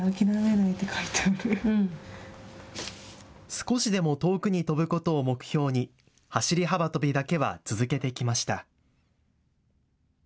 少しでも遠くに跳ぶことを目標に走り幅跳びだけは続けてきました。